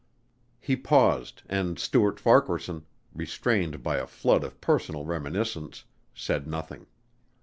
He paused and Stuart Farquaharson, restrained by a flood of personal reminiscence, said nothing.